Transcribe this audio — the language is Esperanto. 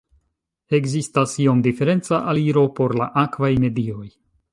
Ekzistas iom diferenca aliro por la akvaj medioj.